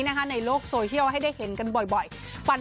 ในโลกโซเชียลให้ได้เห็นกันบ่อย